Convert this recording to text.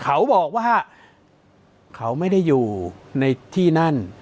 เขาบอกว่าเขาไม่ได้อยู่ในที่นั่น